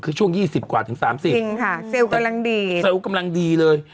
คือช่วง๒๐กว่าถึง๓๐จริงค่ะเซลล์กำลังดีเลย